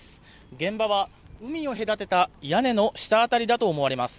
現場は海を隔てた屋根の下辺りだと思われます。